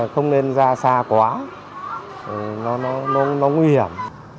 không nên ra xa quá nó nguy hiểm